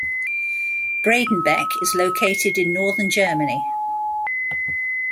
Bredenbek is located in northern Germany.